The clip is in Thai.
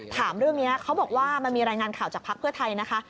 ถามเรื่องนี้เขาบอกว่ามันมีรายงานข่าวจากภักดิ์เพื่อไทยนะคะ